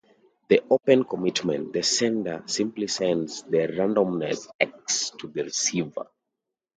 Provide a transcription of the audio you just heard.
To open the commitment, the sender simply sends the randomness "x" to the receiver.